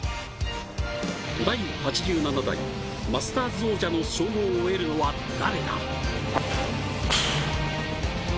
第８７代マスターズ王者の称号を得るのは誰だ。